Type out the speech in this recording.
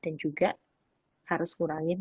dan juga harus kurangnya dua sdt